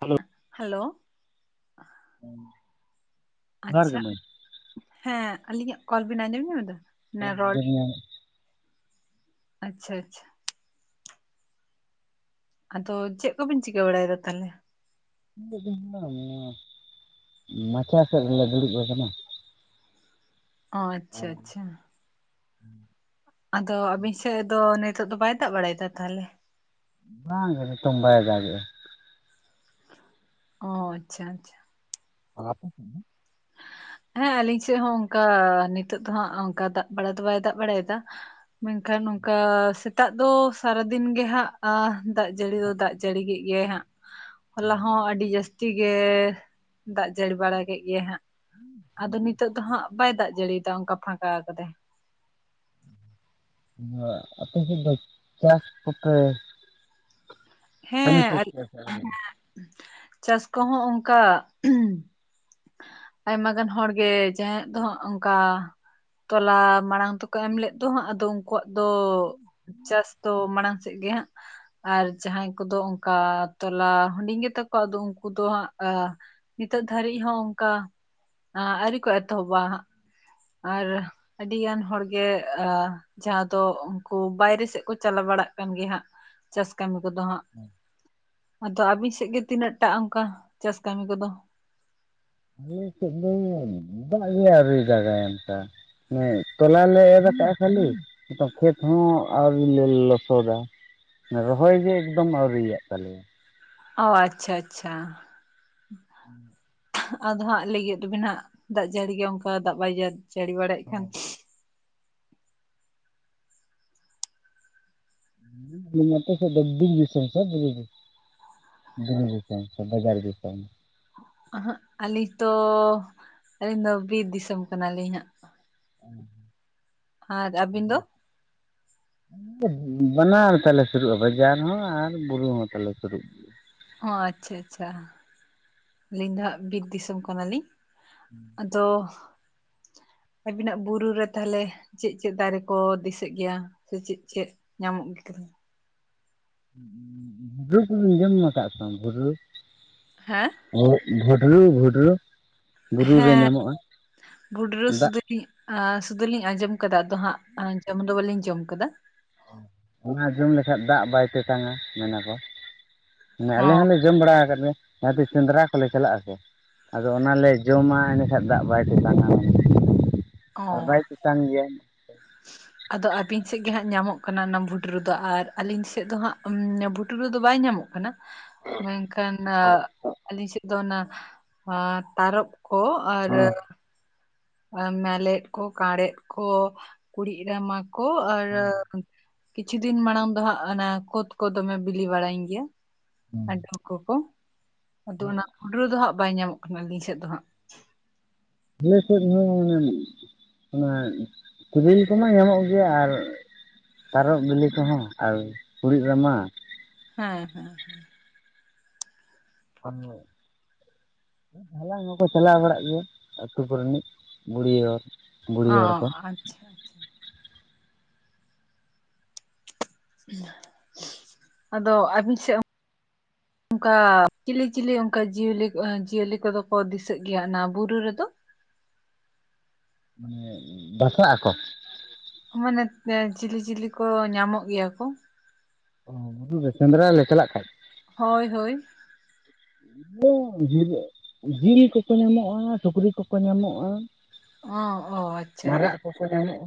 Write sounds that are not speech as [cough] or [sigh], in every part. Hello hello ᱦᱮᱸ ᱟᱪᱪᱷᱟ ᱦᱮᱸ ᱟᱹᱞᱤᱧᱟᱜ ᱠᱚᱞ ᱵᱤᱱ ᱟᱸᱡᱚᱢ ᱧᱟᱢᱮᱫᱟ? ᱦᱮᱸ ᱟᱸᱡᱚᱢ ᱧᱟᱢ ᱫᱟᱹᱞᱤᱧ ᱾ ᱟᱪᱪᱷᱟ ᱟᱪᱪᱷᱟ ᱟᱫᱚ ᱪᱮᱫ ᱠᱚᱵᱤᱱ ᱪᱤᱠᱟᱹ ᱵᱟᱲᱟᱭᱮᱫᱟ ᱛᱟᱦᱞᱮ? ᱢᱟᱪᱟ ᱥᱮᱫ ᱨᱮᱞᱮ ᱫᱩᱲᱩᱵ ᱟᱠᱟᱱᱟ ᱾ ᱚᱸ ᱟᱪᱪᱷᱟ ᱟᱪᱪᱷᱟ ᱟᱫᱚ ᱟᱵᱤᱱ ᱥᱮᱫ ᱫᱚ ᱱᱤᱛᱚᱜ ᱫᱚ ᱵᱟᱭ ᱫᱟᱜ ᱵᱟᱲᱟᱭ ᱮᱫᱟ ᱛᱟᱦᱚᱞᱮ? ᱵᱟᱝ ᱜᱮ ᱱᱤᱛᱚᱝ ᱵᱟᱭ ᱫᱟᱜᱮᱜ-ᱟ ᱾ ᱚᱸ ᱟᱪᱪᱷᱟ ᱟᱪᱪᱷᱟ [inaudible] ᱦᱮᱸ ᱟᱞᱤᱧ ᱥᱮᱫ ᱦᱚᱸ ᱚᱱᱠᱟ ᱱᱤᱛᱚᱜ ᱫᱚᱦᱟᱸᱜ ᱚᱱᱠᱟ ᱫᱟᱜ ᱵᱟᱲᱟ ᱫᱚ ᱵᱟᱭ ᱫᱟᱜ ᱵᱟᱲᱟᱭᱮᱫᱟ ᱢᱮᱱᱠᱷᱟᱱ ᱱᱚᱝᱠᱟ ᱥᱮᱛᱟᱜ ᱫᱚ ᱥᱟᱨᱟ ᱫᱤᱱ ᱜᱮ ᱦᱟᱸᱜ ᱫᱟᱜ ᱡᱟᱹᱲᱤ ᱫᱚ ᱫᱟᱜ ᱡᱟᱹᱲᱤ ᱠᱮᱫ ᱜᱮᱭᱟ ᱦᱟᱸᱜ ᱦᱚᱞᱟ ᱦᱚᱸ ᱟᱹᱰᱤ ᱡᱟᱹᱥᱛᱤ -ᱛᱤ ᱜᱮ ᱫᱟᱜ ᱡᱟᱹᱲᱤ ᱵᱟᱲᱟ ᱠᱮᱫ ᱜᱮᱭᱟ ᱦᱟᱸᱜ ᱟᱫᱚ ᱱᱤᱛᱚᱜ ᱫᱚ ᱦᱟᱸᱜ ᱵᱟᱭ ᱫᱟᱜ ᱡᱟᱹᱲᱤᱭᱟᱫᱟ ᱚᱱᱠᱟ ᱯᱷᱟᱠᱟ ᱠᱟᱫᱟ ᱟᱯᱮ ᱥᱮᱫ ᱫᱚ ᱪᱟᱥ ᱠᱚᱯᱮ ᱠᱟᱹᱢᱤ ᱥᱟᱹᱛ ᱦᱮᱸ ᱠᱮᱜᱼᱟ ᱥᱮ ᱟᱹᱣᱨᱤ ᱪᱟᱥ ᱠᱚᱦᱚᱸ ᱚᱱᱠᱟ ᱟᱭᱢᱟ ᱜᱟᱱ ᱦᱚᱲ ᱜᱮ ᱡᱟᱦᱟᱸᱭᱟᱜ ᱫᱚ ᱦᱟᱜ ᱚᱱᱠᱟ ᱛᱚᱞᱟ ᱢᱟᱲᱟᱝ ᱛᱮᱠᱚ ᱮᱢ ᱞᱮᱫ ᱫᱚ ᱦᱟᱸᱜ ᱟᱫᱚ ᱩᱱᱠᱩᱣᱟᱜ ᱫᱚ ᱪᱟᱥ ᱛᱚ ᱢᱟᱲᱟᱝ ᱥᱮᱫ ᱜᱮ ᱦᱟᱸᱜ ᱟᱨ ᱡᱟᱦᱟᱸᱭ ᱠᱚᱫᱚ ᱚᱱᱠᱟ ᱛᱚᱞᱟ ᱦᱩᱰᱤᱧ ᱜᱮᱛᱟ ᱠᱚᱣᱟ ᱟᱫᱚ ᱩᱱᱠᱩ ᱫᱚ ᱦᱟᱸᱜ ᱱᱤᱛᱚᱜ ᱫᱷᱟᱹᱨᱤᱡ ᱦᱚᱸ ᱚᱱᱠᱟ ᱟᱣᱹᱨᱤ ᱠᱚ ᱮᱛᱚᱦᱚᱵᱟ ᱦᱟᱸᱜ ᱟᱨ ᱟᱹᱰᱤ ᱜᱟᱱ ᱦᱚᱲᱜᱮ ᱟ ᱡᱟᱦᱟᱸ ᱫᱚ ᱩᱱᱠᱩ ᱵᱟᱭᱨᱮ ᱥᱮᱫ ᱠᱚ ᱪᱟᱞᱟᱣ ᱵᱟᱲᱟᱜ ᱠᱟᱱ ᱜᱮ ᱦᱟᱸᱜ ᱪᱟᱥ ᱠᱟᱹᱢᱤ ᱠᱚᱫᱚ ᱦᱟᱸᱜ ᱟᱫᱚ ᱟᱹᱵᱤᱱ ᱥᱮᱫ ᱜᱮ ᱛᱤᱱᱟᱹᱜᱴᱟᱜ ᱚᱱᱠᱟ ᱪᱟᱥ ᱠᱟᱹᱢᱤ ᱠᱚᱫᱚ ᱟᱞᱮ ᱥᱮᱫ ᱫᱚ ᱫᱟᱜ ᱜᱮ ᱟᱹᱣᱨᱤ ᱫᱟᱜᱟᱭ ᱚᱱᱠᱟ ᱦᱮᱸ ᱛᱟᱞᱟ ᱞᱮ ᱮᱨ ᱟᱠᱟᱫᱟ ᱠᱷᱟᱹᱞᱤ ᱠᱷᱮᱛ ᱦᱚᱸ ᱟᱹᱣᱨᱤ ᱞᱮ ᱞᱚᱥᱚᱫᱟ ᱨᱚᱦᱚᱭ ᱜᱮ ᱮᱠᱫᱚᱢ ᱟᱣᱨᱤᱭᱟᱜ ᱛᱟᱞᱮᱭᱟ ᱚᱸ ᱟᱪᱪᱷᱟ ᱟᱪᱪᱷᱟ ᱦᱮᱸ ᱟᱫᱚ ᱦᱟᱸᱜ ᱞᱟᱹᱭᱮᱜ ᱫᱚ ᱵᱤᱱ ᱦᱟᱸᱜ ᱫᱟᱜ ᱡᱟᱹᱲᱤ ᱜᱮ ᱚᱱᱠᱟ ᱫᱟᱜ ᱵᱟᱭ ᱡᱟᱹᱲᱤ ᱵᱟᱲᱟᱭᱮᱫ ᱠᱷᱟᱱ ᱱᱚᱛᱮ ᱥᱮᱫ ᱫᱚ ᱵᱤᱨ ᱫᱤᱥᱚᱢ ᱥᱮ ᱵᱩᱨᱩ ᱫᱤᱥᱚᱢ ᱵᱤᱨ ᱫᱤᱥᱚᱢ ᱥᱮ ᱵᱷᱮᱜᱟᱨ ᱫᱤᱥᱚᱢ ᱟᱹᱦᱟᱹᱜ ᱟᱹᱞᱤᱧ ᱛᱚ ᱟᱹᱞᱤᱧ ᱫᱚ ᱵᱤᱨ ᱫᱤᱥᱚᱢ ᱠᱟᱱᱟᱞᱤᱧ ᱦᱟᱸᱜ ᱚᱸ ᱟᱨ ᱟᱹᱵᱤᱱ ᱫᱚ? ᱟᱫᱚ ᱵᱟᱱᱟᱨ ᱛᱮᱞᱮ ᱥᱩᱨᱩᱜᱼᱟ ᱵᱟᱡᱟᱨ ᱦᱚ ᱟᱨ ᱵᱩᱨᱩ ᱦᱚᱸ ᱛᱟᱞᱮ ᱥᱩᱨᱩᱜᱼᱟ ᱚᱸ ᱟᱪᱪᱷᱟ ᱟᱪᱪᱷᱟ ᱟᱹᱞᱤᱧ ᱫᱚ ᱦᱟᱜ ᱵᱤᱨ ᱫᱤᱥᱚᱢ ᱠᱟᱱᱟᱞᱤᱧ ᱦᱩᱸ ᱟᱫᱚ ᱟᱵᱤᱱᱟᱜ ᱵᱩᱨᱩ ᱨᱮ ᱛᱟᱦᱚᱞᱮ ᱪᱮᱫ ᱪᱮᱫ ᱫᱟᱨᱮ ᱠᱚ ᱫᱤᱥᱟᱹᱜ ᱜᱮᱭᱟ ᱥᱮ ᱪᱮᱫ ᱪᱮᱫ ᱧᱟᱢᱚᱜ ᱜᱮ ᱠᱟᱛᱷᱟ ᱫᱚ? ᱵᱩᱨᱩ ᱠᱩᱵᱤᱱ ᱡᱚᱢ ᱧᱩ ᱠᱟᱜ-ᱟ ᱛᱚ ᱵᱷᱩᱰᱨᱩ᱾ ᱦᱮᱸ᱾ ᱵᱷᱩᱰᱨᱩ ᱵᱷᱩᱰᱨᱩ ᱵᱩᱨᱩ ᱨᱮ ᱧᱟᱢᱚᱜ-ᱟ ᱫᱟᱜ᱾ ᱠᱤ ᱟ ᱥᱩᱫᱩ ᱞᱤᱧ ᱟᱸᱡᱚᱢ ᱠᱟᱫᱟ ᱟᱫᱚ ᱦᱟᱸᱜ ᱡᱚᱢ ᱫᱚ ᱵᱟᱹᱞᱤᱧ ᱡᱚᱢ ᱠᱟᱫᱟ᱾ ᱚᱱᱟ ᱡᱚᱢ ᱞᱮᱠᱷᱟᱡ ᱫᱟᱜ ᱵᱟᱭ ᱛᱮᱛᱟᱝᱟ ᱢᱮᱱᱟᱠᱚ ᱢᱟᱱᱮ ᱚ ᱟᱞᱮ ᱦᱚᱸᱞᱮ᱾ ᱡᱚᱢ ᱵᱟᱲᱟ ᱟᱠᱟᱫ ᱜᱮ ᱡᱟᱸᱦᱟ ᱛᱤᱥ ᱥᱮᱸᱫᱽᱨᱟ ᱠᱚᱞᱮ ᱪᱟᱞᱟᱜ-ᱟ ᱥᱮ᱾ ᱟᱫᱚ ᱚᱱᱟᱞᱮ ᱡᱚᱢᱟ ᱮᱸᱰᱮᱠᱷᱟᱜ ᱫᱟᱜ ᱵᱟᱭ ᱛᱮᱛᱟᱝᱟ ᱫᱚᱢᱮ᱾ ᱟᱨ ᱚ ᱵᱟᱭ ᱪᱮᱛᱟᱱ ᱜᱮᱭᱟᱭ᱾ [unintelligible] ᱟᱫᱚ ᱟᱵᱤᱱ ᱥᱮᱜ ᱜᱮ ᱦᱟᱸᱜ ᱧᱟᱢᱚᱜ ᱠᱟᱱᱟ ᱚᱱᱟ ᱵᱷᱩᱴᱨᱩ ᱫᱚ ᱟᱨ ᱟᱞᱤᱧ ᱥᱮᱜ ᱫᱚ ᱦᱟᱸᱜ ᱵᱷᱩᱴᱨᱩ ᱫᱚ ᱵᱟᱭ ᱧᱟᱢᱚᱜ ᱠᱟᱱᱟ᱾ ᱢᱮᱱᱠᱷᱟᱱ ᱟ ᱟᱞᱤᱧ ᱥᱮᱜ᱾ ᱫᱚ ᱱᱟ ᱟᱸ ᱛᱟᱨᱚᱵᱽ ᱠᱚ ᱟᱨ᱾ ᱢᱮᱞᱮᱫ ᱠᱚ ᱠᱟᱸᱬᱮᱫ ᱠᱚ ᱠᱩᱲᱤᱜ ᱨᱟᱢᱟ ᱠᱚ ᱟᱨ᱾ ᱠᱤᱪᱷᱩ ᱫᱤᱱ ᱢᱟᱲᱟᱝ ᱫᱚ ᱦᱟᱸᱜ ᱚᱱᱟ ᱠᱳᱛ ᱠᱚ ᱫᱚᱢᱮ ᱵᱤᱞᱤ ᱵᱟᱲᱟᱭᱤᱧ ᱜᱮᱭᱟ ᱟᱫᱚ᱾ ᱠᱩ ᱠᱚ ᱟᱫᱚ ᱚᱱᱟ ᱵᱷᱩᱸᱰᱨᱩ ᱫᱚ ᱦᱟᱸᱜ ᱵᱟᱭ ᱧᱟᱢᱚᱜ ᱠᱟᱱᱟ ᱟᱹᱞᱤᱧ ᱥᱮᱜ ᱫᱚ ᱦᱟᱸᱜ᱾ ᱟᱞᱮ ᱥᱮᱫ ᱦᱚᱸ ᱢᱟᱱᱮ ᱚᱱᱟ ᱛᱤᱨᱤᱞ ᱠᱚᱢᱟ ᱧᱟᱢᱚᱜ ᱜᱮᱭᱟ ᱟᱨ᱾ ᱛᱟᱨᱚᱵᱽ ᱵᱤᱞᱤ ᱠᱚᱦᱚᱸ ᱟᱨ ᱠᱩᱲᱤᱜ ᱨᱟᱢᱟ᱾ ᱦᱮᱸ ᱦᱮᱸ ᱦᱮᱸ᱾ [unintelligible] ᱦᱟᱞᱟᱝ ᱦᱚᱸᱠᱚ ᱪᱟᱞᱟᱣ ᱵᱟᱲᱟᱜ ᱜᱮᱭᱟ ᱟᱛᱩ ᱠᱚᱨᱮᱱᱤᱡ ᱵᱩᱲᱦᱤ ᱦᱚᱲ᱾ ᱵᱩᱲᱦᱤ ᱦᱚᱲ ᱚᱸ ᱠᱚ ᱟᱪᱪᱷᱟ᱾ ᱟᱪᱪᱷᱟ ᱟᱫᱚ ᱟᱵᱤᱱ ᱥᱮᱜ᱾ [unintelligible] ᱚᱝᱠᱟ ᱪᱤᱞᱤ ᱪᱤᱞᱤ ᱚᱝᱠᱟ ᱡᱤᱭᱟᱹᱞᱤ ᱡᱤᱭᱟᱹᱞᱤ ᱠᱚᱫᱚ ᱠᱚ ᱫᱤᱥᱟᱹᱜ ᱜᱮᱭᱟ ᱚᱱᱟ ᱵᱩᱨᱩ ᱨᱮᱫᱚ? ᱢᱟᱱᱮ ᱵᱟᱥᱟᱜ ᱟᱠᱚ? ᱦᱳᱭ ᱱᱮᱛᱮ ᱪᱤᱞᱤ ᱪᱤᱞᱤ ᱠᱚ ᱧᱟᱢᱚᱜ ᱜᱮᱭᱟ ᱠᱚ? ᱚ ᱵᱩᱨᱩ ᱨᱮ ᱥᱮᱸᱫᱽᱨᱟ ᱞᱮ ᱪᱟᱞᱟᱜ ᱠᱷᱟᱡ? ᱦᱚᱭ ᱦᱳᱭ᱾ ᱤᱭᱟᱹ ᱡᱤᱞ ᱡᱤᱞ ᱠᱚᱠᱚ ᱧᱟᱢᱚᱜ-ᱟ ᱥᱩᱠᱨᱤ ᱠᱚᱠᱚ ᱧᱟᱢᱚᱜ-ᱟ᱾ ᱚᱸ ᱚ ᱟᱪᱪᱷᱟ᱾ ᱠᱚᱠᱚ ᱧᱟᱢᱚᱜ-ᱟ᱾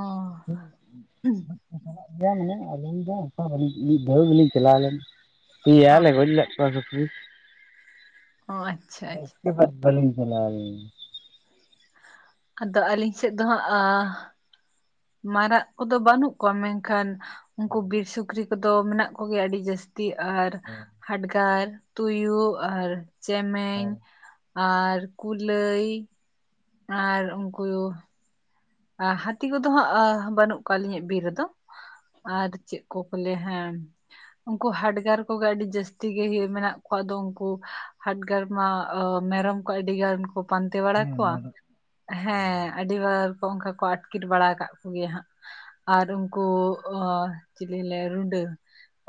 ᱚ [unintelligible] ᱪᱟᱞᱟᱜ ᱜᱮᱭᱟ ᱢᱟᱱᱮ ᱟᱞᱤᱧ ᱫᱚ ᱚᱝᱠᱟ ᱫᱚ ᱵᱟᱞᱤᱧ ᱢᱤᱜ ᱫᱷᱟᱹᱣ ᱜᱮᱞᱤᱧ ᱪᱟᱞᱟᱣ ᱞᱮᱱᱟ ᱯᱮᱭᱟᱞᱮ᱾ ᱛᱟᱨᱯᱚᱨ ᱯᱩᱞᱤᱥ᱾ ᱚᱸ ᱟᱪᱪᱷᱟ ᱟᱪᱪᱷᱟ᱾ ᱩᱥᱠᱮ ᱵᱟᱫ ᱵᱟᱹᱞᱤᱧ ᱪᱟᱞᱟᱣ ᱞᱮᱱᱟ᱾ ᱟᱫᱚ ᱟᱞᱤᱧ ᱥᱮᱜ ᱫᱚ ᱦᱟᱸᱜ ᱟ᱾ ᱢᱟᱨᱟᱜ ᱠᱚᱫᱚ ᱵᱟᱱᱩᱜ ᱠᱚᱣᱟ ᱢᱮᱝᱠᱷᱟᱱ ᱩᱱᱠᱩ ᱵᱤᱨ ᱥᱩᱠᱨᱤ ᱠᱚᱫᱚ ᱢᱮᱱᱟᱜ ᱠᱚᱜᱮᱭᱟ ᱟᱹᱰᱤ ᱡᱟᱹᱥ ᱛᱤ ᱟᱨ ᱦᱟᱰᱜᱟᱨ ᱛᱩᱭᱩ ᱟᱨ ᱪᱮᱢᱮᱧ᱾ ᱟᱨ ᱠᱩᱞᱟᱹᱭ᱾ ᱟᱨ ᱩᱝᱠᱩᱭᱩ᱾ ᱟᱸ ᱦᱟᱛᱤ ᱠᱚᱫᱚ ᱦᱟᱸᱜ ᱵᱟᱱᱩᱜ ᱠᱚᱣᱟ ᱟᱞᱤᱧᱟᱜ ᱵᱤᱨ ᱨᱮᱫᱚ᱾ ᱟᱨ ᱪᱮᱜ ᱠᱚ ᱠᱚ ᱞᱟᱹᱭᱟ ᱦᱮᱸ᱾ ᱩᱝᱠᱩ ᱦᱟᱰᱜᱟᱨ ᱠᱚᱜᱮ ᱟᱹᱰᱤ ᱡᱟᱹᱥᱛᱤ ᱜᱤ ᱦᱤ ᱢᱮᱱᱟᱜ ᱠᱚᱣᱟ ᱟᱫᱚ ᱩᱝᱠᱩ ᱦᱟᱰᱜᱟᱨ ᱢᱟ ᱢᱮᱨᱚᱢ᱾ ᱠᱚ ᱟᱹᱰᱤ ᱜᱟᱱ ᱠᱚ ᱯᱟᱱᱛᱮ ᱵᱟᱲᱟ ᱠᱚᱣᱟ ᱦᱮᱸ ᱟᱰᱤᱵᱟᱨ᱾ ᱠᱚ ᱚᱝᱠᱟ ᱠᱚ ᱟᱴᱠᱤᱨ ᱵᱟᱲᱟ ᱠᱟᱜ ᱠᱚᱜᱮᱭᱟ ᱦᱟᱸᱜ᱾ ᱟᱨ ᱩᱱᱠᱩ ᱪᱤᱫ ᱞᱤᱧ ᱞᱮᱭᱟ ᱨᱩᱸᱰᱟᱹ ᱾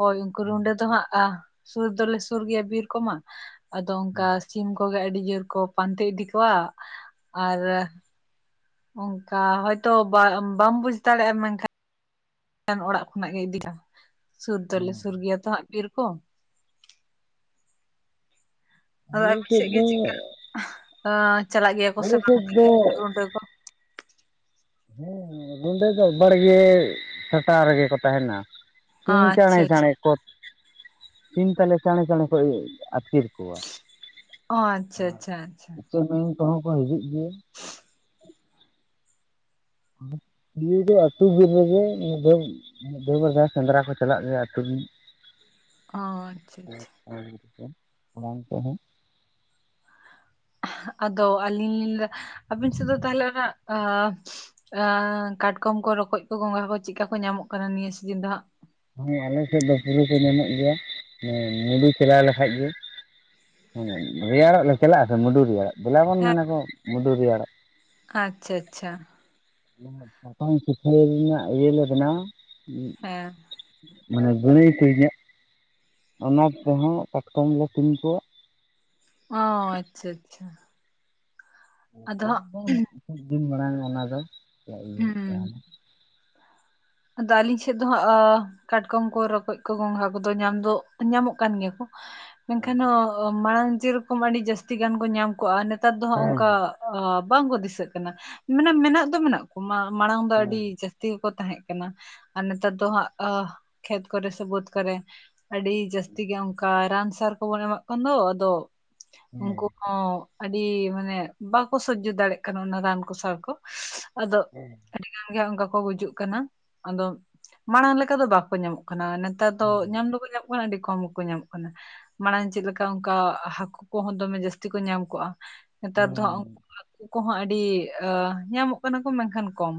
ᱦᱳᱭ ᱩᱱᱠᱩ ᱨᱩᱸᱵᱟᱹ ᱫᱚ ᱦᱟᱸᱜ ᱟ ᱥᱩᱨ ᱫᱚᱞᱮ ᱥᱩᱨ ᱜᱮᱭᱟ ᱵᱤᱨ ᱠᱚᱢᱟ ᱟᱫᱚ ᱚᱱᱠᱟ ᱥᱤᱢ ᱠᱚᱜᱮ ᱟᱹᱰᱤ ᱡᱳᱨ ᱠᱚ ᱯᱟᱱᱛᱮ ᱤᱫᱤ ᱠᱚᱣᱟ, ᱟᱨ ᱚᱱᱠᱟ ᱦᱚᱭᱛᱚ ᱵᱟ ᱵᱟᱢ ᱵᱩᱡ ᱫᱟᱲᱮᱜᱼᱟ ᱢᱮᱱᱠᱷᱟ ᱚᱲᱟᱜ ᱠᱷᱚᱱᱟᱜ ᱜᱮ ᱤᱫᱤ, [unintelligible] ᱥᱩᱨ ᱫᱚᱞᱮ ᱥᱩᱨ ᱜᱮᱭᱟ ᱛᱚ ᱦᱟᱸᱜ ᱵᱤᱨ ᱠᱚ ᱾ ᱟᱫᱚ ᱟᱞᱮ ᱟᱹᱵᱤᱱ ᱥᱮᱫ ᱥᱮᱜ ᱜᱮ ᱫᱚ ᱪᱮᱫᱠᱟ, ᱪᱟᱞᱟᱜ ᱜᱮᱭᱟ ᱠᱚ ᱥᱮ ᱟᱞᱮ ᱵᱟᱝ ᱥᱮᱫ ᱫᱚ [unintelligible] ᱨᱩᱸᱵᱟᱹ ᱠᱚ? ᱦᱮᱸ ᱨᱩᱸᱰᱟᱹ ᱫᱚ ᱵᱟᱲᱜᱮ ᱥᱟᱴᱟᱣ ᱨᱮᱜᱮ ᱠᱚ ᱛᱟᱦᱮᱱᱟ᱾ ᱥᱤᱧ ᱟᱪᱪᱷᱟ ᱪᱟᱸᱬᱮᱸ ᱟᱪᱪᱷᱟ ᱪᱟᱸᱬᱮᱸ ᱠᱚ ᱥᱤᱢ ᱛᱟᱞᱮ ᱪᱟᱸᱬᱮᱸ ᱪᱟᱸᱬᱮᱸ ᱠᱚ ᱟᱹᱛᱠᱤᱨ ᱠᱚᱣᱟ᱾ ᱚᱸ ᱟᱪᱪᱷᱟ ᱟᱪᱪᱷᱟ ᱟᱪᱪᱷᱟ᱾ ᱥᱮ ᱵᱤᱧ ᱠᱚᱦᱚᱸ ᱠᱚᱦᱚᱸ ᱠᱚ ᱦᱤᱡᱩᱜ ᱜᱮᱭᱟ ᱾ ᱞᱟᱹᱭ ᱫᱟᱹᱧ ᱟᱹᱛᱩ ᱵᱤᱨ ᱨᱮᱜᱮ [unintelligible] ᱾ ᱢᱤᱫ ᱵᱟᱨ ᱫᱷᱟᱣ ᱥᱮᱸᱫᱽᱨᱟ ᱠᱚ ᱪᱟᱞᱟᱜ ᱜᱮᱭᱟ ᱟᱹᱛᱩ ᱨᱤᱱ ᱾ ᱚᱸ ᱟᱪᱪᱷᱟ ᱟᱪᱪᱷᱟ᱾ [unintelligible] ᱟᱫᱚ ᱟᱹᱞᱤᱧ ᱞᱤᱧ ᱞᱮᱫᱟ ᱟᱵᱤᱱ ᱥᱮᱫ ᱫᱚ ᱛᱟᱦᱚᱞᱮ ᱚᱱᱟ ᱠᱟᱴᱠᱚᱢ ᱠᱚ ᱨᱚᱠᱚᱡ ᱠᱚ ᱜᱚᱸᱜᱟ ᱠᱚ ᱪᱮᱫᱠᱟ ᱠᱚ ᱧᱟᱢᱚᱜ ᱠᱟᱱᱟ ᱱᱤᱭᱟᱹ ᱥᱤᱡᱤᱱ ᱫᱚ ᱦᱟᱸᱜ? ᱦᱮ ᱟᱞᱮ ᱥᱮᱫ ᱫᱚ ᱯᱩᱨᱟᱹ ᱠᱚ ᱧᱟᱢᱚᱜ ᱜᱮᱭᱟ ᱢᱩᱰᱩ ᱪᱟᱞᱟᱣ ᱞᱮᱠᱷᱟᱡ ᱜᱮ ᱾ ᱦᱮᱸ ᱨᱮᱭᱟᱲᱚᱜ ᱞᱮ ᱪᱟᱞᱟᱜ ᱟᱥᱮ ᱢᱩᱰᱩ ᱨᱮᱭᱟᱲᱟᱜ ᱫᱮᱞᱟᱵᱚᱱ ᱦᱮᱸ ᱢᱮᱱᱟᱠᱚ ᱢᱩᱰᱩ ᱨᱮᱭᱟᱲᱚᱜ ᱾ ᱟᱪᱪᱷᱟ ᱟᱪᱪᱷᱟ ᱾ ᱱᱚᱣᱟ ᱥᱟᱠᱟᱢ ᱥᱩᱠᱷᱟᱹᱭ ᱨᱮᱱᱟᱜ ᱤᱭᱟᱹ ᱞᱮ ᱵᱮᱱᱟᱣ-ᱟ᱾ ᱦᱮᱸ ᱾ ᱢᱟᱱᱮ [inaudible] ᱚᱱᱟ ᱠᱚᱦᱚᱸ ᱠᱟᱴᱠᱚᱢ [inaudible] ᱚ ᱟᱪᱪᱷᱟ ᱟᱪᱪᱷᱟ ᱾ ᱫᱚ ᱫᱤᱱ ᱢᱟᱲᱟᱝ ᱚᱱᱟ ᱫᱚ ᱪᱤᱭᱟᱹ ᱦᱩᱭᱩᱜ ᱦᱩᱸ ᱛᱟᱦᱮᱱᱟ [unintelligible] ᱟᱫᱚ ᱟᱹᱞᱤᱧ ᱥᱮᱫ ᱫᱚ ᱦᱟᱸᱜ ᱠᱟᱴᱠᱚᱢ ᱠᱚ ᱨᱚᱠᱚᱡ ᱠᱚ ᱜᱚᱝᱜᱷᱟ ᱠᱚᱫᱚ ᱧᱟᱢ ᱫᱚ ᱧᱟᱢᱚᱜ ᱠᱟᱱ ᱜᱮᱭᱟ ᱠᱚ ᱾ ᱢᱮᱱᱠᱷᱟᱱ ᱢᱟᱲᱟᱝ ᱡᱮ ᱨᱚᱠᱚᱢ ᱟᱹᱰᱤ ᱡᱟᱹᱥᱛᱤ ᱜᱟᱱ ᱠᱚ ᱧᱟᱢ ᱠᱚᱜᱼᱟ ᱱᱮᱛᱟᱨ ᱫᱚ ᱦᱮᱸ ᱚᱱᱠᱟ ᱚ ᱵᱟᱝ ᱠᱚ ᱫᱤᱥᱟᱹᱜ ᱠᱟᱱᱟ ᱢᱟᱱᱮ ᱢᱮᱱᱟᱜ ᱫᱚ ᱢᱮᱱᱟᱜ ᱠᱚ ᱢᱟᱲᱟᱝ ᱫᱚ ᱟᱹᱰᱤ ᱦᱮᱸ ᱡᱟᱹᱥᱛᱤ ᱜᱮᱠᱚ ᱛᱟᱦᱮᱸ ᱟᱨ ᱱᱮᱛᱟᱨ ᱫᱚ ᱦᱟᱸᱜ ᱠᱷᱮᱛ ᱠᱚᱨᱮ ᱥᱮ ᱵᱟᱹᱫ ᱠᱚᱨᱮ ᱟᱹᱰᱤ ᱡᱟᱹᱥᱛᱤ ᱜᱮ ᱚᱱᱠᱟ ᱨᱟᱱ ᱥᱟᱨ ᱠᱚᱵᱚᱱ ᱮᱢᱟᱜ ᱠᱟᱱ ᱫᱚ ᱟᱫᱚ ᱦᱮᱸ ᱩᱱᱠᱩ ᱦᱚᱸ ᱟᱹᱰᱤ ᱢᱟᱱᱮ ᱵᱟᱠᱚ ᱥᱚᱡᱡᱚ ᱫᱟᱲᱮᱭᱟᱜ ᱠᱟᱱᱟ ᱚᱱᱟ ᱨᱟᱱ ᱠᱚ ᱥᱟᱨ ᱠᱚ ᱟᱫᱚ [unintelligible] ᱟᱹᱰᱤ ᱜᱟᱱ ᱜᱮ ᱚᱱᱠᱟ ᱠᱚ ᱜᱩᱡᱩᱜ ᱠᱟᱱᱟ ᱟᱫᱚ ᱢᱟᱲᱟᱝ ᱞᱮᱠᱟ ᱫᱚ ᱵᱟᱠᱚ ᱧᱟᱢᱚᱜ ᱠᱟᱱᱟ ᱾ ᱱᱮᱛᱟᱨ ᱫᱚ ᱧᱟᱢ ᱫᱚᱠᱚ ᱧᱟᱢᱚᱜ ᱠᱟᱱᱟ ᱟᱹᱰᱤ ᱠᱚᱢᱠᱚ ᱧᱟᱢᱚᱜ ᱠᱟᱱᱟ ᱾ ᱢᱟᱲᱟᱝ ᱪᱮᱫ ᱞᱮᱠᱟ ᱚᱱᱠᱟ ᱦᱟᱹᱠᱩ ᱠᱚᱦᱚᱸ ᱫᱚᱢᱮ ᱡᱟᱹᱥᱛᱤ ᱠᱚ ᱧᱟᱢ ᱠᱚᱜᱼᱟ ᱱᱮᱛᱟᱨ ᱫᱚ ᱦᱟᱠᱩ ᱠᱚᱦᱚᱸ ᱟᱹᱰᱤ ᱧᱟᱢᱚᱜ ᱠᱟᱱᱟ ᱠᱚ ᱢᱮᱱᱠᱷᱟᱱ ᱠᱚᱢ,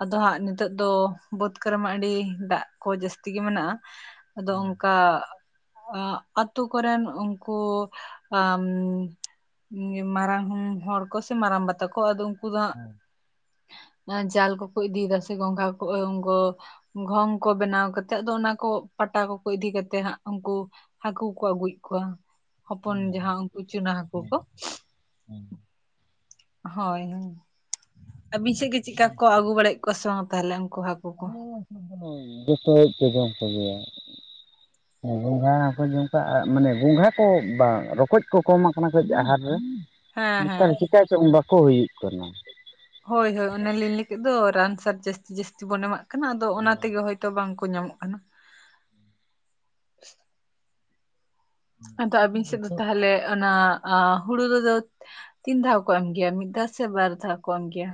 ᱟᱫᱚ ᱦᱟᱸᱜ ᱱᱤᱛᱚᱜ ᱫᱚ ᱵᱟᱹᱫᱽ ᱠᱚᱨᱮ ᱢᱟ ᱟᱹᱰᱤ ᱫᱟᱜ ᱠᱚ ᱡᱟᱹᱥᱛᱤ ᱜᱮ ᱢᱮᱱᱟᱜᱼᱟ ᱾ ᱟᱫᱚ ᱚᱱᱠᱟ ᱟᱛᱳ ᱠᱚᱨᱮᱱ ᱩᱱᱠᱩ ᱟ ᱢᱟᱨᱟᱝ ᱦᱚᱲ ᱠᱚ ᱥᱮ ᱢᱟᱨᱟᱝ ᱵᱟ ᱛᱟᱠᱚ ᱟᱫᱚ ᱩᱱᱠᱩ ᱫᱚ ᱦᱟᱸᱜ ᱡᱟᱞ ᱠᱚᱠᱚ ᱤᱫᱤᱭᱮᱫᱟ ᱥᱮ ᱜᱚᱸᱝᱜᱟ ᱠᱚ ᱚᱝᱜᱚ ᱜᱷᱚᱝ ᱠᱚ ᱵᱮᱱᱟᱣ ᱠᱟᱛᱮᱜ ᱟᱫᱚ ᱚᱱᱟ ᱠᱚ ᱯᱟᱴᱟ ᱠᱚᱠᱚ ᱤᱫᱤ ᱠᱟᱛᱮᱜ ᱦᱟᱸᱜ ᱩᱱᱠᱩ ᱦᱟᱹᱠᱩ ᱠᱩ ᱟᱹᱜᱩᱭᱮᱫ ᱠᱚᱣᱟ ᱦᱚᱯᱚᱱ ᱡᱟᱦᱟᱸ ᱩᱱᱠᱩ ᱪᱩᱱᱟ ᱦᱟᱹᱠᱩ ᱠᱚ ᱾ ᱦᱳᱭ ᱦᱮᱸ ᱟᱹᱵᱤᱱ ᱥᱮᱫ ᱜᱮ ᱪᱮᱫᱠᱟ ᱠᱚ ᱟᱹᱜᱩ ᱵᱟᱲᱟᱭᱮᱫ ᱠᱚᱣᱟ ᱥᱮ ᱵᱟᱝ ᱛᱟᱦᱚᱞᱮ ᱩᱱᱠᱩ ᱦᱟᱹᱠᱩ ᱠᱚ [inaudible] [unintelligible] ᱦᱮᱸ ᱜᱚᱝᱜᱷᱟ ᱦᱚᱠᱚ ᱡᱚᱢᱠᱟᱜ-ᱟ ᱢᱟᱱᱮ ᱜᱚᱸᱜᱷᱟ ᱠᱚ ᱵᱟᱝ ᱨᱚᱠᱚᱡ ᱠᱚ ᱠᱚᱢ ᱟᱠᱟᱱᱟ ᱥᱮ ᱪᱮᱫ ᱦᱟᱴ ᱨᱮ? ᱦᱮᱸ ᱦᱮᱸ ᱱᱮᱛᱟᱨ ᱪᱤᱠᱟ ᱪᱚᱝ ᱵᱟᱠᱚ ᱦᱩᱭᱩᱜ ᱠᱟᱱᱟ ᱦᱳᱭ ᱦᱳᱭ ᱚᱱᱮ ᱞᱤᱧ ᱞᱟᱹᱭ ᱠᱮᱫ ᱫᱚ ᱨᱟᱱ ᱥᱟᱨ ᱡᱟᱹᱥᱛᱤ ᱡᱟᱹᱥᱛᱤ ᱵᱚᱱ ᱮᱢᱟᱜ ᱠᱟᱱᱟ ᱟᱫᱚ ᱚᱱᱟᱛᱮᱜᱮ ᱦᱚᱭᱛᱚ ᱵᱟᱝ ᱠᱚ ᱧᱟᱢᱚᱜ ᱠᱟᱱᱟ ᱟᱫᱚ ᱟᱵᱤᱱ ᱥᱮᱫ ᱫᱚ ᱛᱟᱦᱚᱞᱮ ᱚᱱᱟ ᱟ ᱦᱩᱲᱩ ᱨᱮᱫᱚ ᱛᱤᱱ ᱫᱷᱟᱣ ᱠᱚ ᱮᱢ ᱜᱮᱭᱟ ᱢᱤᱫ ᱫᱷᱟᱣ ᱥᱮ ᱵᱟᱨ ᱫᱷᱟᱣ ᱠᱚ ᱮᱢ ᱜᱮᱭᱟ?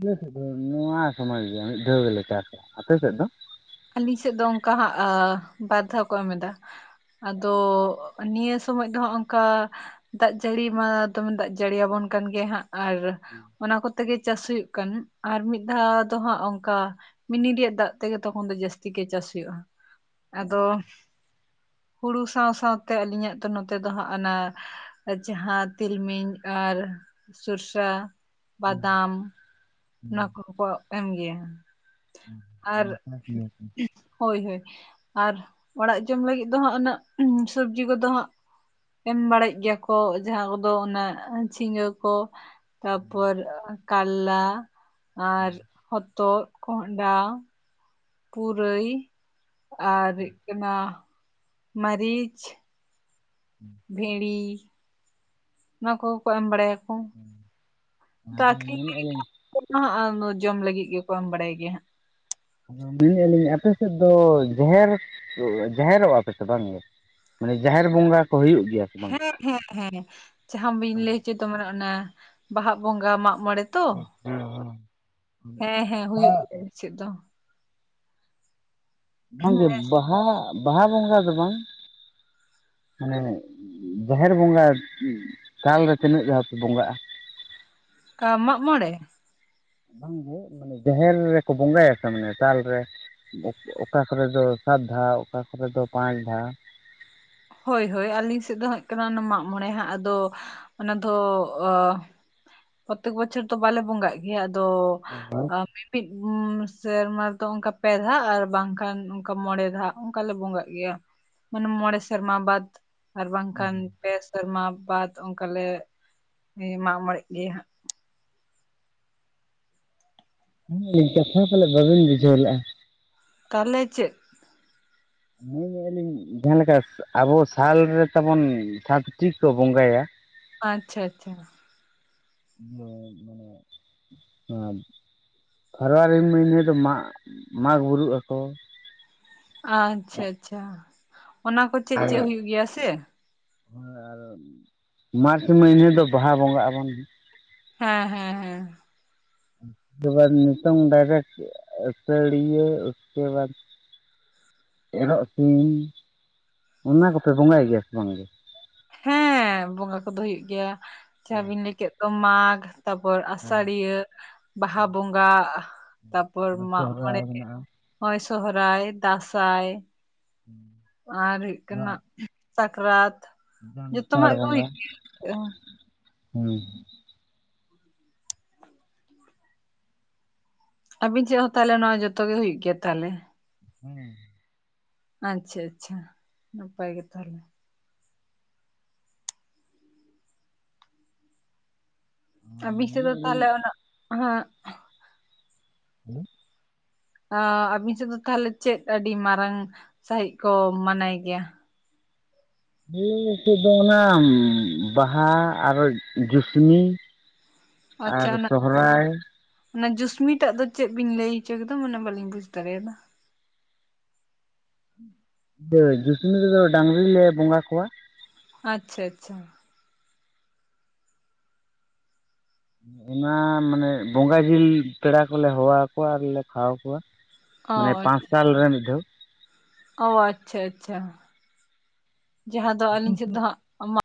ᱟᱞᱮ ᱥᱮᱫ ᱫᱚ ᱱᱚᱣᱟ ᱥᱚᱢᱚᱭ ᱜᱮ ᱢᱤᱫ ᱫᱷᱟᱣ ᱜᱮᱞᱮ ᱪᱟᱥᱟ ᱟᱯᱮ ᱥᱮᱫ ᱫᱚ? ᱟᱞᱤᱧ ᱥᱮᱫ ᱫᱚ ᱚᱱᱠᱟ ᱦᱟᱜ ᱵᱟᱨᱫᱷᱟᱣ ᱠᱚ ᱮᱢ ᱮᱫᱟ ᱟᱫᱚ ᱱᱤᱭᱟᱹ ᱥᱚᱢᱚᱭ ᱫᱚ ᱦᱚᱜ ᱚᱱᱠᱟ ᱫᱟᱜ ᱡᱟᱹᱲᱤ ᱢᱟ ᱫᱚᱢᱮ ᱫᱟᱜ ᱡᱟᱹᱲᱤ ᱭᱟᱵᱚᱱ ᱠᱟᱱ ᱜᱮᱭᱟ ᱦᱟᱸᱜ ᱟᱨ [unintelligible] ᱚᱱᱟ ᱠᱚᱛᱮᱜᱮ ᱪᱟᱥ ᱦᱩᱭᱩᱜ ᱠᱟᱱᱟ ᱟᱨ ᱢᱤᱫ ᱫᱷᱟᱣ ᱫᱚ ᱦᱟᱸᱜ ᱚᱱᱠᱟ ᱢᱤᱱᱤ ᱨᱮᱭᱟᱜ ᱫᱟᱜ ᱛᱮᱜᱮ ᱛᱚᱠᱷᱚᱱ ᱫᱚ ᱡᱟᱹᱥᱛᱤ ᱜᱮ ᱪᱟᱥ ᱦᱩᱭᱩᱜ-ᱟ ᱟᱫᱚ ᱦᱩᱲᱩ ᱥᱟᱶ ᱥᱟᱶᱛᱮ ᱟᱹᱞᱤᱧᱟᱜ ᱛᱚ ᱱᱚᱛᱮ ᱫᱚ ᱦᱟᱸᱜ ᱟᱱᱟ ᱡᱟᱦᱟᱸ ᱛᱤᱞᱢᱤᱧ ᱟᱨ ᱥᱚᱨᱥᱟ ᱵᱟᱫᱟᱢ ᱱᱚᱣᱟ ᱠᱚᱦᱚᱸ ᱠᱚ ᱮᱢ ᱜᱮᱭᱟ ᱟᱨ ᱦᱳᱭ ᱦᱳᱭ ᱟᱨ ᱚᱲᱟᱜ ᱡᱚᱢ ᱞᱟᱹᱜᱤᱫ ᱫᱚ ᱦᱟᱸᱜ ᱩᱱᱟᱹᱜ ᱥᱚᱵᱡᱤ ᱠᱚᱫᱚ ᱦᱟᱸᱜ ᱮᱢ ᱵᱟᱲᱟᱭ ᱜᱮᱭᱟ ᱠᱚ ᱡᱟᱦᱟᱸ ᱠᱚᱫᱚ ᱚᱱᱟ ᱪᱷᱤᱸᱜᱟᱹ ᱠᱚ ᱛᱟᱯᱚᱨ ᱠᱟᱞᱞᱟ ᱟᱨ ᱦᱚᱛᱚ, ᱠᱚᱦᱰᱟ ᱯᱩᱨᱟᱹᱭ ᱟᱨ ᱦᱩᱭᱩᱜ ᱠᱟᱱᱟ ᱢᱟᱹᱨᱤᱪ [unintelligible] ᱵᱷᱮᱸᱲᱤ ᱱᱚᱣᱟ ᱠᱚᱠᱚ ᱮᱢ ᱵᱟᱲᱟᱭᱟᱠᱚ᱾ ᱟᱫᱚ ᱢᱮᱱᱮᱫᱼᱟ ᱞᱤᱧ [inaudible] ᱡᱚᱢ ᱞᱟᱹᱜᱤᱫ ᱜᱮᱠᱚ ᱮᱢ ᱵᱟᱰᱟᱭ ᱜᱮᱭᱟ ᱦᱟᱸᱜ ᱟᱫᱚ ᱢᱟᱹᱭ ᱮᱜᱟ ᱞᱤᱧ ᱟᱯᱮ ᱥᱮᱫ ᱫᱚ ᱡᱮᱦᱮᱨ ᱡᱮᱦᱮᱨᱚᱜ-ᱟ ᱯᱮ ᱥᱮ ᱵᱟᱝ ᱜᱮ? ᱢᱟᱱᱮ ᱡᱟᱦᱮᱨ ᱵᱚᱸᱜᱟ ᱠᱚ ᱦᱩᱭᱩᱜ ᱜᱮᱭᱟ ᱥᱮ ᱵᱟᱝ ᱦᱮᱸ ᱦᱮᱸ ᱦᱮᱸ ᱡᱟᱦᱟᱸ ᱵᱟᱹᱧ ᱞᱟᱹᱭ ᱦᱚᱪᱚᱭ ᱫᱟ ᱢᱟᱱᱮ ᱚᱱᱟ ᱵᱟᱦᱟᱜ ᱵᱚᱸᱜᱟ ᱢᱟᱜ ᱢᱚᱲᱮ ᱛᱚ ᱦᱮᱸ ᱦᱮᱸ ᱦᱩᱭᱩᱜ ᱜᱮᱭᱟ ᱪᱮᱫ ᱫᱚ ᱵᱟᱝ ᱜᱮ ᱚᱱᱠᱟ ᱵᱟᱦᱟ ᱵᱟᱦᱟ ᱵᱚᱸᱜᱟ ᱫᱚ ᱵᱟᱝ᱾ ᱢᱟᱱᱮ ᱡᱟᱦᱮᱨ ᱵᱚᱸᱜᱟ ᱥᱟᱞ ᱨᱮ ᱛᱤᱱᱟᱹᱜ ᱫᱷᱟᱣ ᱯᱮ ᱵᱚᱸᱜᱟᱜ-ᱟ? ᱠᱟᱹ ᱢᱟᱜ ᱢᱚᱬᱮ? ᱵᱟᱝᱜᱮ ᱢᱟᱱᱮ ᱡᱟᱦᱮᱨ ᱨᱮᱠᱚ ᱵᱚᱸᱜᱟᱭᱟ ᱥᱮ ᱢᱟᱱᱮ ᱥᱟᱞ ᱨᱮ? ᱚᱠᱟ ᱠᱚᱨᱮ ᱫᱚ ᱥᱟᱛ ᱫᱷᱟᱣ ᱚᱠᱟ ᱠᱚᱨᱮ ᱫᱚ ᱯᱟᱸᱪ ᱫᱷᱟᱣ᱾ ᱦᱳᱭ ᱦᱳᱭ ᱟᱹᱞᱤᱧ ᱥᱮᱫ ᱫᱚ ᱦᱟᱸᱜ ᱦᱩᱭᱩᱜ ᱠᱟᱱᱟ ᱚᱱᱟ ᱢᱟᱜ ᱢᱚᱬᱮ ᱦᱟᱸᱜ ᱟᱫᱚ ᱚᱱᱟ ᱫᱚ ᱚ ᱯᱨᱚᱛᱮᱠ ᱵᱚᱪᱷᱚᱨ ᱫᱚ ᱵᱟᱞᱮ ᱵᱚᱸᱜᱟᱜ ᱜᱮᱭᱟ ᱟᱫᱚ [inaudible] ᱯᱤᱫ ᱥᱮᱨᱢᱟ ᱨᱮᱫᱚ ᱚᱱᱠᱟ ᱯᱮ ᱫᱷᱟ ᱟᱨ ᱵᱟᱝᱠᱷᱟᱱ ᱚᱱᱠᱟ ᱢᱚᱬᱮ ᱫᱷᱟ ᱚᱱᱠᱟᱞᱮ ᱵᱚᱸᱜᱟᱜ ᱜᱮᱭᱟ᱾ ᱢᱟᱱᱮ ᱢᱚᱬᱮ ᱥᱮᱨᱢᱟ ᱵᱟᱫ ᱟᱨ ᱵᱟᱝᱠᱷᱟᱱ ᱯᱮ ᱥᱮᱨᱢᱟ ᱵᱟᱫ ᱚᱱᱠᱟᱞᱮ ᱢᱟᱜ ᱢᱚᱬᱮᱜ ᱜᱮᱭᱟ ᱦᱟᱸᱜ ᱦᱩᱸ ᱠᱟᱛᱷᱟ ᱯᱟᱞᱮ ᱵᱟᱵᱮᱱ ᱵᱩᱡᱷᱟᱹᱣ ᱞᱮᱜ-ᱟ᱾ ᱛᱟᱦᱞᱮ ᱪᱮᱜ? ᱞᱟᱹᱭ ᱮᱜᱟ ᱞᱤᱧ ᱡᱟᱦᱟᱸ ᱞᱮᱠᱟ ᱟᱵᱚ ᱥᱟᱞ ᱨᱮ ᱛᱟᱵᱚᱱ ᱥᱟᱛᱴᱤ ᱠᱚ ᱵᱚᱸᱜᱟᱭᱟ ᱾ ᱟᱪᱪᱷᱟ ᱟᱪᱪᱷᱟ ᱵᱟᱹᱧ [unintelligible] ᱯᱷᱟᱵᱽᱣᱟᱨᱤ ᱢᱟᱹᱦᱱᱟᱹ ᱨᱮ ᱫᱚ ᱢᱟᱜᱽ ᱢᱟᱜᱽ ᱵᱩᱨᱩᱜ ᱟᱠᱚ᱾ ᱟᱪᱪᱷᱟ ᱟᱪᱪᱷᱟ ᱚᱱᱟ ᱠᱚ ᱪᱮᱫ ᱪᱮᱫ ᱦᱩᱭᱩᱜ ᱜᱮᱭᱟ ᱥᱮ᱾ ᱟᱨ ᱢᱟᱨᱪ ᱢᱟᱹᱦᱱᱟᱹ ᱨᱮᱫᱚ ᱵᱟᱦᱟ ᱵᱚᱸᱜᱟᱜ ᱟᱵᱚᱱ ᱾ ᱦᱮᱸ ᱦᱮᱸ ᱦᱮᱸ᱾ [unintelligible] ᱱᱤᱛᱚᱝ ᱰᱟᱭᱨᱮᱠᱴ ᱟᱹᱥᱟᱹᱲᱤᱭᱟᱹ ᱩᱥᱠᱮ ᱵᱟᱫ ᱮᱨᱚᱜ ᱥᱤᱢ ᱚᱱᱟ ᱠᱚᱯᱮ ᱵᱚᱸᱜᱟᱭ ᱜᱮᱭᱟ ᱥᱮ ᱵᱟᱝ ᱜᱮ? ᱦᱮᱸ ᱵᱚᱸᱜᱟ ᱠᱚᱫᱚ ᱦᱩᱭᱩᱜ ᱜᱮᱭᱟ ᱡᱟᱦᱟᱵᱤᱱ ᱞᱟᱹᱭ ᱠᱮᱫ ᱫᱚ ᱢᱟᱜᱽ ᱛᱟᱯᱚᱨ ᱟᱥᱟᱲᱤᱭᱟᱹ ᱵᱟᱦᱟ ᱵᱚᱸᱜᱟ ᱛᱟᱯᱚᱨ ᱢᱟᱜ ᱢᱚᱲᱮ ᱦᱳᱭ ᱥᱚᱦᱚᱨᱟᱭ ᱫᱟᱸᱥᱟᱭ ᱦᱩᱸ᱾ ᱟᱨ ᱦᱩᱭᱩᱜ ᱠᱟᱱᱟ ᱥᱟᱠᱨᱟᱛ ᱡᱚᱛᱚᱢᱟᱜ ᱜᱮ ᱦᱩᱭᱩᱜ ᱜᱮ ᱦᱩᱸ᱾ ᱟᱵᱤᱱ ᱪᱮ ᱦᱚᱸ ᱛᱟᱦᱚᱞᱮ ᱱᱚᱣᱟ ᱡᱚᱛᱚ ᱜᱮ ᱦᱩᱭᱩᱜ ᱜᱮᱭᱟ ᱛᱟᱦᱚᱞᱮ? ᱦᱮᱸ᱾ ᱟᱪᱪᱷᱟ ᱟᱪᱪᱷᱟ ᱱᱟᱯᱟᱭ ᱜᱮ ᱛᱟᱦᱚᱞᱮ᱾ ᱟᱵᱤᱱ ᱥᱮᱫ ᱫᱚ ᱛᱟᱦᱚᱞᱮ ᱚᱱᱟ ᱦᱟᱹᱜ ᱦᱮᱞᱳ᱾ ᱟᱵᱤᱱ ᱥᱮᱫ ᱫᱚ ᱛᱟᱦᱚᱞᱮ ᱪᱮᱫ ᱟᱹᱰᱤ ᱢᱟᱨᱟᱝ ᱥᱟᱹᱦᱤᱜ ᱠᱚ ᱢᱟᱱᱟᱭ ᱜᱮᱭᱟ? [unintelligible] ᱥᱮᱫ ᱫᱚ ᱚᱱᱟ ᱵᱟᱦᱟ ᱟᱨᱚ ᱡᱩᱥᱱᱤ᱾ ᱟᱪᱪᱷᱟ ᱚᱱᱟ ᱚᱱᱟ ᱡᱩᱥᱢᱤ ᱴᱟᱜ ᱫᱚ ᱪᱮᱫ ᱵᱤᱱ ᱞᱟᱹᱭ ᱚᱪᱚ ᱠᱮᱫᱟ ᱢᱟᱱᱮ ᱵᱟᱞᱤᱧ ᱵᱩᱡ ᱫᱟᱲᱮᱭᱟᱫᱟ᱾ [unintelligible] ᱡᱩᱥᱩᱱᱤ ᱨᱮᱫᱚ ᱰᱟᱝᱨᱤ ᱞᱮ ᱵᱚᱸᱜᱟ ᱠᱚᱣᱟ᱾ ᱟᱪᱪᱷᱟ ᱟᱪᱪᱷᱟ᱾ ᱚᱱᱟ ᱢᱟᱱᱮ ᱵᱚᱸᱜᱟ ᱡᱤᱞ ᱯᱮᱲᱟ ᱠᱚᱞᱮ ᱦᱚᱣᱟᱠᱚᱣᱟ ᱟᱨᱞᱮ ᱠᱷᱟᱣᱟᱣ ᱠᱚᱣᱟ᱾ ᱚ ᱢᱟᱱᱮ ᱯᱟᱸᱪ ᱥᱟᱞ ᱨᱮ ᱢᱤᱫ ᱫᱷᱟᱣ᱾ ᱚᱻ ᱟᱪᱪᱷᱟ ᱟᱪᱪᱷᱟ ᱡᱟᱦᱟᱸ ᱫᱚ ᱟᱹᱞᱤᱧ ᱥᱮᱫ ᱫᱚ ᱦᱟᱜ ᱢᱟᱜ